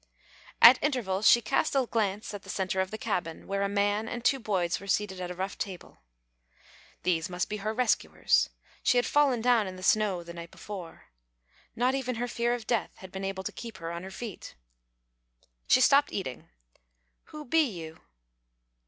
At intervals she cast a glance at the centre of the cabin, where a man and two boys were seated at a rough table. These must be her rescuers. She had fallen down in the snow the night before. Not even her fear of death had been able to keep her on her feet. She stopped eating. "Who be you?"